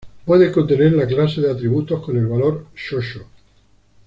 Pueden contener la clase de atributo con el valor "xoxo".